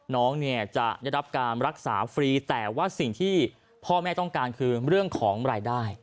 น้องเนี่ยจะได้รับการรักษาฟรีแต่ว่าสิ่งที่พ่อแม่ต้องการคือเรื่องของรายได้